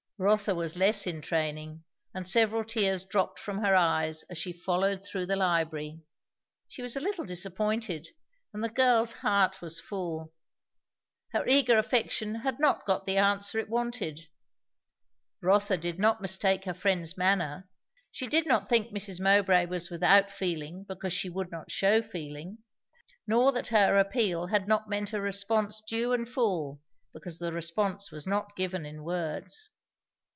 Rotha was less in training, and several tears dropped from her eyes as she followed through the library. She was a little disappointed, and the girl's heart was full. Her eager affection had not got the answer it wanted. Rotha did not mistake her friend's manner; she did not think Mrs. Mowbray was without feeling because she would not shew feeling; nor that her appeal had not met a response due and full, because the response was not given in words.